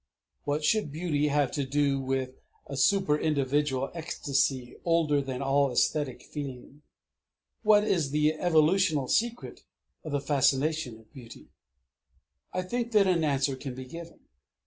What should beauty have to do with a superindividual ecstasy older than all æsthetic feeling? What is the evolutional secret of the fascination of beauty? I think that an answer can be given.